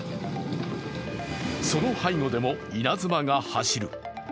その背後でも稲妻が走る。